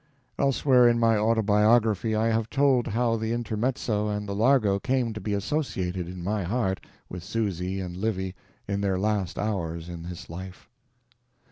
Elsewhere in my Autobiography I have told how the Intermezzo and the Largo came to be associated in my heart with Susy and Livy in their last hours in this life.